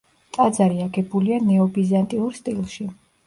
ტაძარი აგებულია ნეობიზანტიურ სტილში.